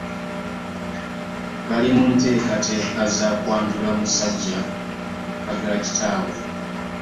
Bali munteekateeka z'akwanjula musajja mu maka g'akitaawe.